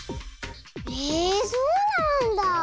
へえそうなんだあ。